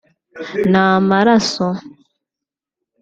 namaraso